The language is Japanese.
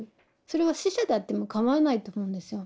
それは死者であっても構わないと思うんですよ。